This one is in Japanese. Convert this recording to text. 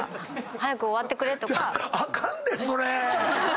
「早く終わってくれ」！